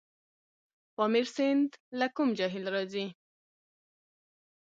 پامیر سیند له کوم جهیل راځي؟